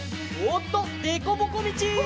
わっでこぼこみち！